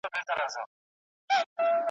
چي پخپله ځان ګمراه کړي او احتیاج سي `